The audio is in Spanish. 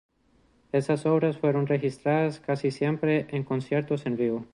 Estas obras fueron registradas casi siempre en conciertos en vivo.